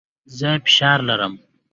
زه فشار لرم.